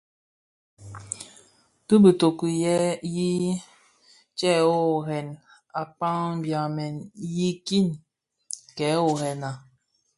Ti bitoki yi tè woworèn akpaň byamèn yiiki kè worrena,